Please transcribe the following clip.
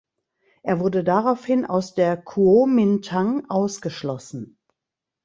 Er wurde daraufhin aus der Kuomintang ausgeschlossen.